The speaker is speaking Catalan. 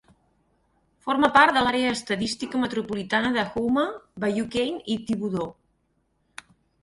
Forma part de l'àrea estadística metropolitana de Houma, Bayou Cane i Thibodaux.